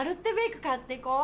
買っていこう。